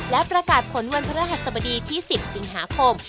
และประกาศผลวันพระรหัสบดีที่๑๐สิงหาคม